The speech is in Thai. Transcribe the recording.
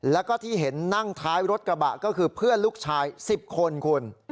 แล้วก็ที่เห็นนั่งท้ายรถกระบะก็คือเพื่อนลูกชาย๑๐คนคุณ